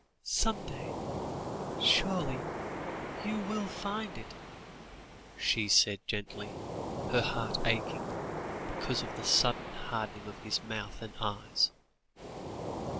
"Some day surely you will find it?" she said gently, her heart aching, because of the sudden hardening of his mouth and eyes.